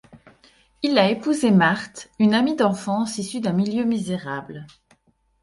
Il a épousé Marthe, une amie d'enfance issue d'un milieu misérable.